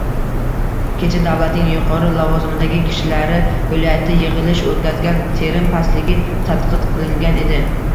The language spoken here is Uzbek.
Kecha davlatning yuqori lavozimdagi kishilari viloyatda yigʻilish oʻtkazgan, terim pastligi tanqid qilingan edi.